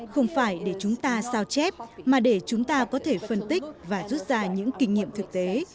không phải để chúng ta sao chép mà để chúng ta có thể phân tích và rút ra những kinh nghiệm thực tế